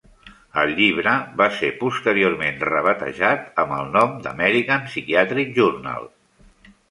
El llibre va ser posteriorment rebatejat amb el nom d'American Psychiatric Journal.